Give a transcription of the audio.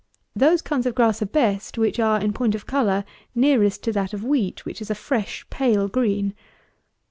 Those kinds of grass are best which are, in point of colour, nearest to that of wheat, which is a fresh pale green.